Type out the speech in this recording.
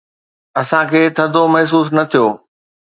اسان کي ٿڌو محسوس نه ٿيو.